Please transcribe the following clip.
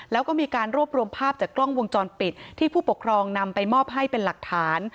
แล้วก็มีการรวบรวมภาพจากกล้องวงจรปิดที่ผู้ปกครองนำไปมอบให้เป็นหลักฐาน